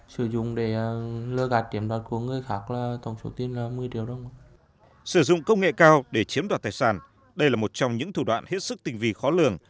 sử dụng công nghệ cao để chiếm đoạt tài sản đây là một trong những thủ đoạn hết sức tình vị khó lường